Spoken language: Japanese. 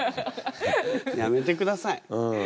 やめてください。